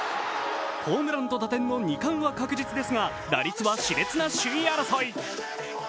ホームランと打点の２冠は確実ですが打率はしれつな首位争い。